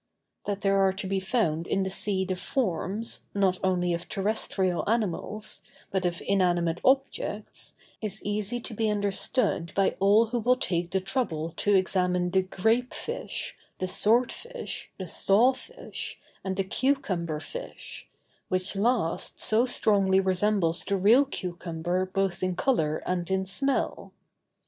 That there are to be found in the sea the forms, not only of terrestrial animals, but of inanimate objects, is easy to be understood by all who will take the trouble to examine the grape fish, the sword fish, the saw fish, and the cucumber fish, which last so strongly resembles the real cucumber both in color and in smell.